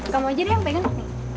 kamu aja deh yang pengen